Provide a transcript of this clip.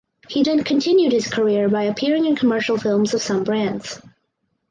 He then continued his career by appearing in commercial films of some brands.